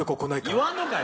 言わんのかよ